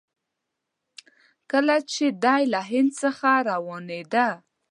کله چې دی له هند څخه روانېده.